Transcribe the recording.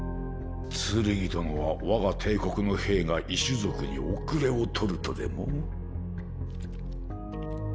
ツルギ殿は我が帝国の兵が異種族に後れを取るとでも？